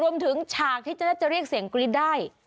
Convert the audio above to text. รวมถึงชาติคือชาติที่จะเรียกเสียงกริจได้